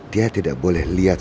dia tidak boleh lihat